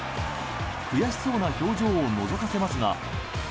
悔しそうな表情をのぞかせますが。